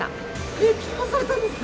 えっ、結婚されたんですか？